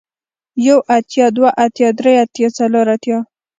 يو اتيا دوه اتيا درې اتيا څلور اتيا